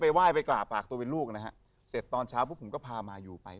ไห้ไปกราบฝากตัวเป็นลูกนะฮะเสร็จตอนเช้าปุ๊บผมก็พามาอยู่ไป